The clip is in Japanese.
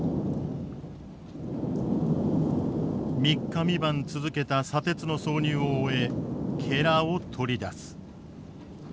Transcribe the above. ３日３晩続けた砂鉄の装入を終えを取り出す。